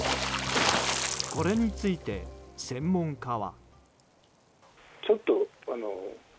これについて、専門家は。